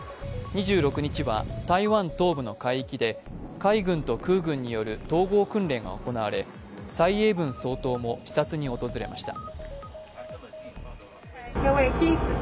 ２６日は台湾東部の海域で海軍と空軍による統合訓練が行われ、蔡英文総統も視察に訪れました。